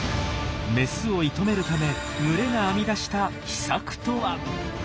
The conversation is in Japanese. メスを射止めるため群れが編み出した秘策とは？